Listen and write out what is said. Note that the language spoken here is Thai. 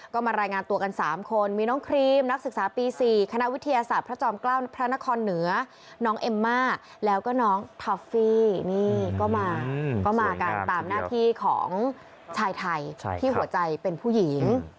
ก็มากันตามหน้าที่ของชายไทยที่หัวใจเป็นผู้หญิง